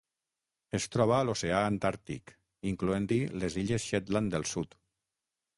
Es troba a l'Oceà Antàrtic, incloent-hi les Illes Shetland del Sud.